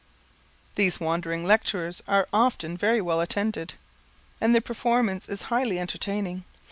These wandering lectures are often very well attended, and their performance is highly entertaining.